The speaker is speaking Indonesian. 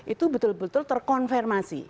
itu betul betul terkonfirmasi